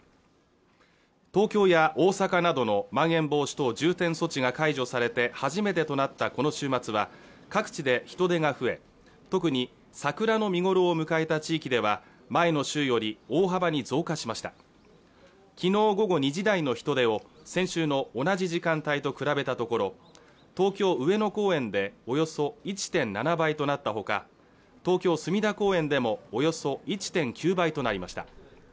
東京や大阪などのまん延防止等重点措置が解除されて初めてとなったこの週末は各地で人出が増え特に桜の見頃を迎えた地域では前の週より大幅に増加しました昨日午後２時台の人出を先週の同じ時間帯と比べたところ東京・上野公園でおよそ１．７倍となったほか東京・隅田公園でもおよそ１．９倍となりました